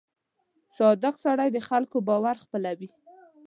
• صادق سړی د خلکو باور خپلوي.